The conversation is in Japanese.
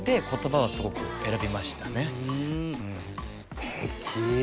すてき！